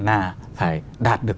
là phải đạt được